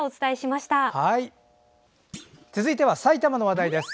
続いては、埼玉の話題です。